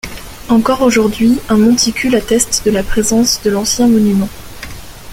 Encore aujourd’hui, un monticule atteste de la présence de l’ancien monument.